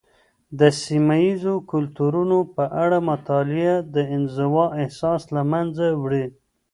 د سيمه یيزو کلتورونو په اړه مطالعه، د انزوا احساس له منځه وړي.